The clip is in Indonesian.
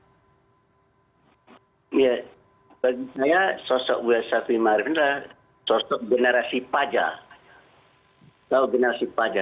bagi saya sosok buya syafi'i ma'rif ini adalah sosok generasi paja